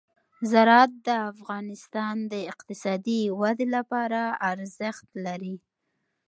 زراعت د افغانستان د اقتصادي ودې لپاره ارزښت لري.